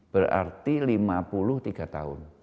berarti lima puluh tiga tahun